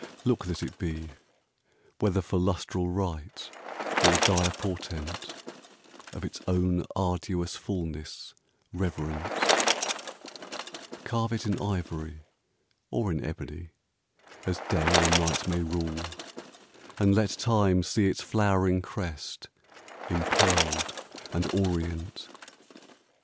Look that it be, Whether for lustral rite or dire portent, Of its own arduous fulness reverent: Carve it in ivory or in ebony, As Day or Night may rule; and let Time see Its flowering crest impearled and orient.